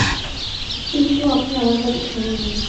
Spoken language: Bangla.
কিন্তু আপনি আমার কথা শোনেন নাই।